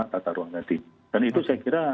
tata ruang tadi dan itu saya kira